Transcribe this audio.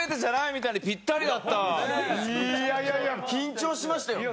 なんかいやいやいや緊張しましたよ。